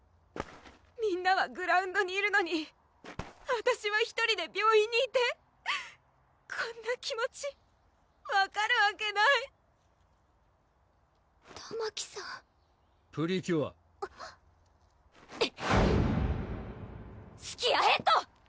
みんなはグラウンドにいるのにわたしはひとりで病院にいてこんな気持ち分かるわけないたまきさん・プリキュア・スキアヘッド！